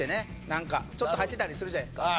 なんかちょっと入ってたりするじゃないですか。